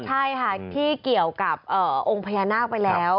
ใช่ค่ะที่เกี่ยวกับองค์พญานาคไปแล้ว